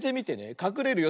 かくれるよ。